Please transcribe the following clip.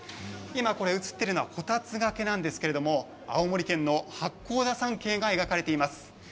今、映っているのはこたつがけなんですけれども青森県の八甲田山系が描かれています。